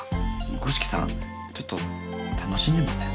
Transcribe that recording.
五色さんちょっと楽しんでません？